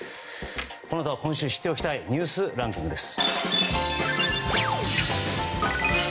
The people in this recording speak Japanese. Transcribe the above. この後は今週知っておきたいニュースランキングです。